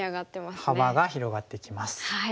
かなり幅が広がってきます。